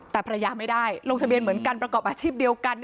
แต่ภรรยาไม่ได้ลงทะเบียนเหมือนกันประกอบอาชีพเดียวกัน